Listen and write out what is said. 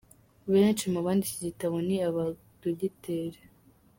Benshi mu banditse iki gitabo ni abadogiteri.